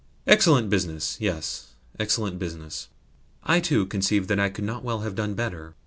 "Excellent business! Yes, excellent business!" "I, too, conceive that I could not well have done better.